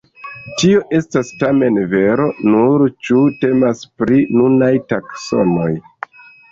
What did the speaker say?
Tio estas tamen vero nur ĉu temas pri nunaj taksonoj.